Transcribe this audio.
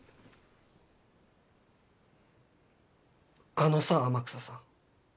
あのさ天草さん。